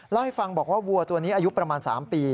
เล่าให้ฟังบอกว่าวัวตัวนี้อายุประมาณ๓ปี